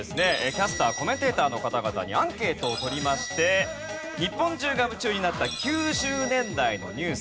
キャスターコメンテーターの方々にアンケートをとりまして日本中が夢中になった９０年代のニュース。